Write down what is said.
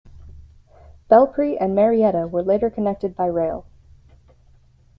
Belpre and Marietta were later connected by rail.